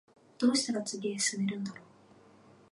どうしたら次へ進めるんだろう